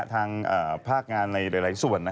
ท่ำฟ้อมได้ใจเลย